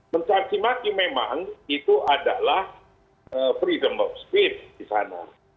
mencaci maki memang itu adalah freedom of speech di sana